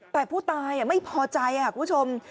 แต่ผู้ตายไม่พอใจคุณผู้ชม